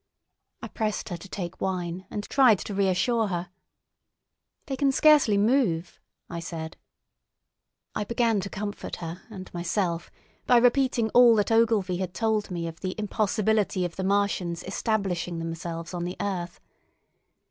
I pressed her to take wine, and tried to reassure her. "They can scarcely move," I said. I began to comfort her and myself by repeating all that Ogilvy had told me of the impossibility of the Martians establishing themselves on the earth.